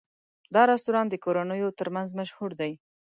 دا رستورانت د کورنیو تر منځ مشهور دی.